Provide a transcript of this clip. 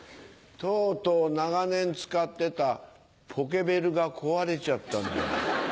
とうとう長年使ってたポケベルが壊れちゃったんだ。